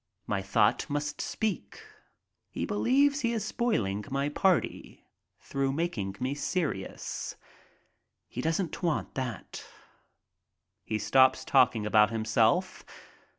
My thought must speak. He believes he is spoiling my party through making me serious. He doesn't want that. He stops talking about himself.